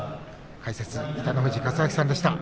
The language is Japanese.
解説、北の富士勝昭さんでした。